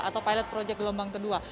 atau pilot project gelombang kedua